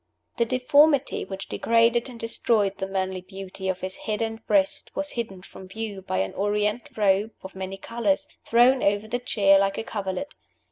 The deformity which degraded and destroyed the manly beauty of his head and breast was hidden from view by an Oriental robe of many colors, thrown over the chair like a coverlet.